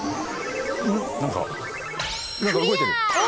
何か何か動いてる。